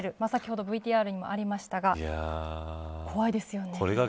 先ほどＶＴＲにもありましたが怖いですね。